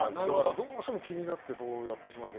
どうしても気になってやってしまうんです。